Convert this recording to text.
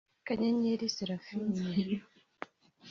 Kanyenyeri Seraphine